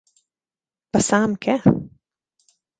Passar amb què?